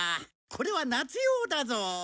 これは夏用だぞ。